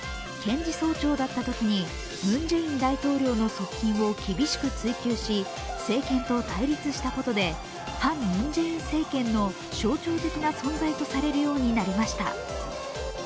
検事総長だったときにムン・ジェイン大統領の側近を厳しく追及し政権と対立したことで反ムン・ジェイン政権の象徴的な存在となりました。